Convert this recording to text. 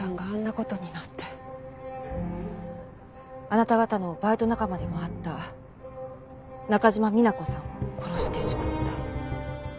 あなた方のバイト仲間でもあった中島美奈子さんを殺してしまった。